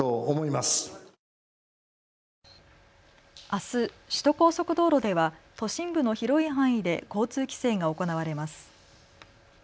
あす、首都高速道路では都心部の広い範囲で交通規制が行われます。